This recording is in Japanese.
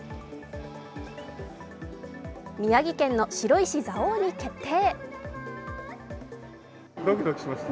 宮城県の白石蔵王に決定。